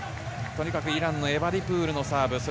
イランのエバディプールのサーブ。